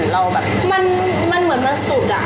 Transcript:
เราเหมือนมันสุด